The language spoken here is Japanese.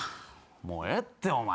もうええってお前。